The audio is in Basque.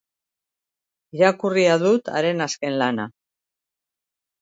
Irakurria dut haren azken lana.